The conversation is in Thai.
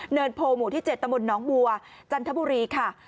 เนินโปหมูลที่๗ตมหนองบัวจันทบุรีค่ะ